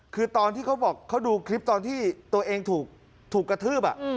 คือตอนที่เขาบอกเขาดูคลิปตอนที่ตัวเองถูกกระทืบ